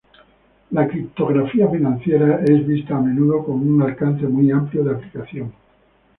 La criptografía financiera es vista a menudo con un alcance muy amplio de aplicación.